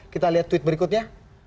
kita lihat tweet berikutnya